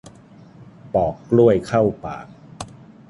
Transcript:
ปอกกล้วยเข้าปาก